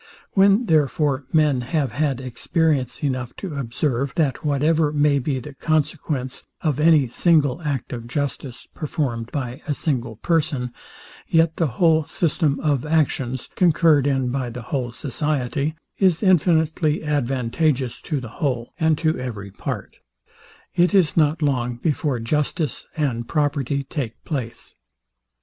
When therefore men have had experience enough to observe, that whatever may be the consequence of any single act of justice, performed by a single person, yet the whole system of actions, concurred in by the whole society, is infinitely advantageous to the whole, and to every part; it is not long before justice and property take place.